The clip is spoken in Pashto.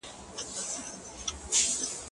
ايا ته نان خورې